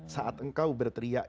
saat engkau berteriak